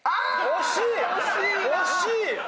惜しい？